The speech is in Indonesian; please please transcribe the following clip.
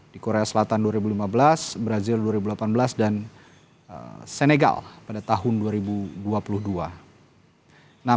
di korea selatan dua ribu lima belas brazil dua ribu delapan belas dan senegal pada tahun dua ribu dua puluh dua